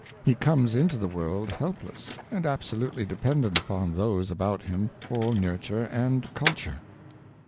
He comes into the world helpless, and absolutely dependent upon those about him for nur . ture and culture.